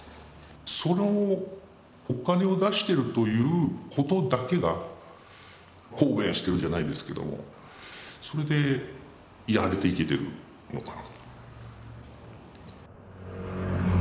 そのお金を出してるということだけが抗弁してるじゃないですけどもそれでやれていけてるのかな。